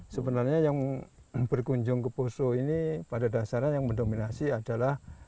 sebenarnya yang berkunjung ke poso ini pada dasarnya yang mendominasi adalah